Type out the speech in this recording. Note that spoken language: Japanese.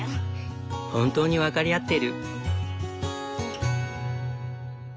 本当に分かり合ってる。